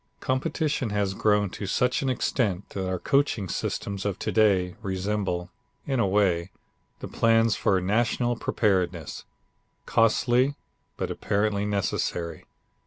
Competition has grown to such an extent that our coaching systems of to day resemble, in a way, the plans for national preparedness costly, but apparently necessary.